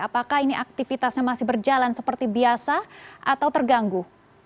apakah ini aktivitasnya masih berjalan seperti biasa atau terganggu